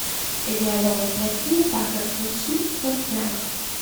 Il est alors remplacé par Richie Faulkner.